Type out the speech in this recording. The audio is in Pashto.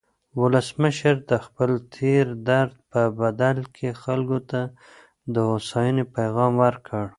ولسمشر د خپل تېر درد په بدل کې خلکو ته د هوساینې پیغام ورکړ.